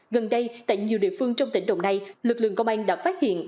gần đây tại nhiều địa phương trong tỉnh đồng nai lực lượng công an đã phát hiện